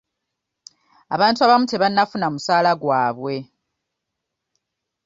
Abantu abamu tebannafuna musaala gwabwe.